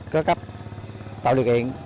có cấp tàu điều kiện